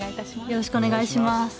よろしくお願いします。